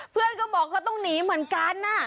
เพื่อนก็บอกเขาต้องหนีเหมือนกัน